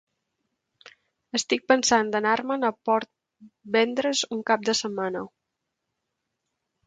Estic pensant d'anar-me'n a Port Vendres un cap de setmana